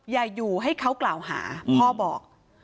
อย่าอยู่ให้เขากล่าวหาพ่อบอก